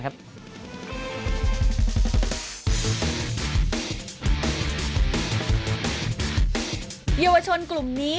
เยาวชนกลุ่มนี้